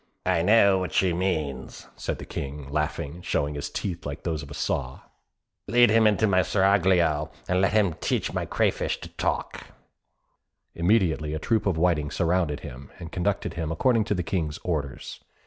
"I know what she means," said the King, laughing, and showing his teeth, like those of a saw. "Lead him into my seraglio, and let him teach my crayfish to talk." Immediately a troop of whiting surrounded him, and conducted him according to the King's orders.